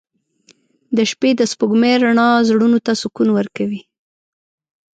• د شپې د سپوږمۍ رڼا زړونو ته سکون ورکوي.